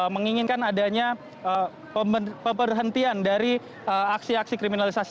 menginginkan adanya pemerhentian dari aksi aksi kriminalisasi